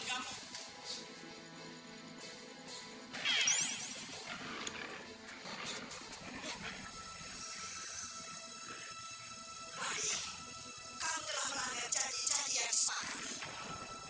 kamu telah melanggar jaji jaji yang sepakat